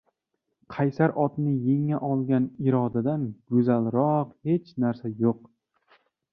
Qaysar odatni yenga olgan irodadan go‘zalroq hech narsa yo‘q.